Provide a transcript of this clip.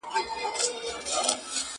دین د عدالت ملاتړ کوي.